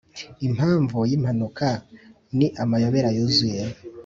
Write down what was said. impamvu yimpanuka ni amayobera yuzuye.